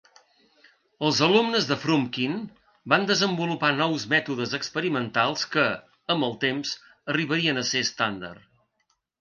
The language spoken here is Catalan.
Els alumnes de Frumkin van desenvolupar nous mètodes experimentals que, amb el temps, arribarien a ser estàndard.